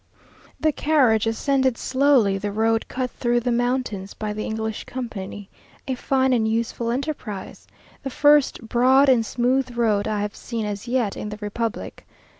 The carriage ascended slowly the road cut through the mountains by the English company; a fine and useful enterprise; the first broad and smooth road I have seen as yet in the republic.